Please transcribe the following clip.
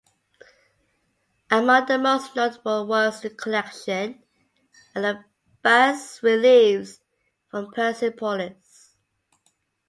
Among the most notable works in the collection are the bas-reliefs from Persepolis.